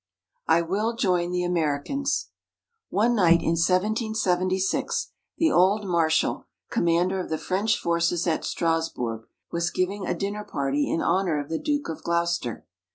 I WILL JOIN THE AMERICANS! One night, in 1776, the old Marshal, Commander of the French forces at Strasburg, was giving a dinner party in honour of the Duke of Gloucester.